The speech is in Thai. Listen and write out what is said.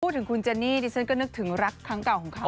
พูดถึงคุณเจนี่ดิฉันก็นึกถึงรักครั้งเก่าของเขา